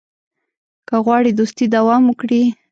که غواړې دوستي دوام وکړي.